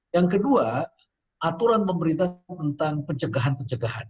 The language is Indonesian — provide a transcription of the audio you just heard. yang kedua aturan pemerintah tentang pencegahan pencegahan